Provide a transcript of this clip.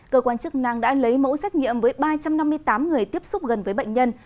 cơ quan chức năng đã lấy mẫu xét nghiệm với ba trăm năm mươi tám người tiếp xúc gần với bệnh nhân